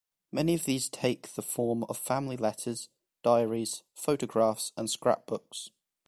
Many of these take the form of family letters, diaries, photographs, and scrapbooks.